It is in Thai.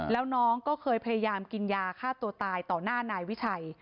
แล้วน้องก็เคยพยายามกินยาฆ่าตัวตายต่อหน้านายวิชัย